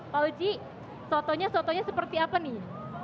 pak oji sotonya sotonya seperti apa nih